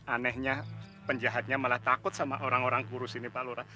anehnya penjahatnya malah takut sama orang orang kurus ini pak lura